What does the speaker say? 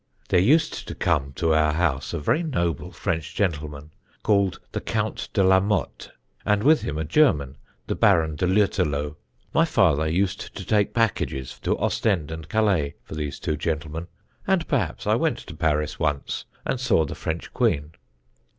"There used to come to our house a very noble French gentleman, called the COUNT DE LA MOTTE, and with him a German, the BARON DE LÜTTERLOH. My father used to take packages to Ostend and Calais for these two gentlemen, and perhaps I went to Paris once, and saw the French Queen.